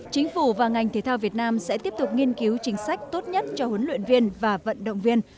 chính phủ và ngành thể thao việt nam sẽ tiếp tục nghiên cứu chính sách tốt nhất cho huấn luyện viên và vận động viên